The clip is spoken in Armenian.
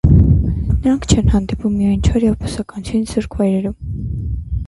Նրանք չեն հանդիպում միայն չոր և բուսականությունից զուրկ վայրերում։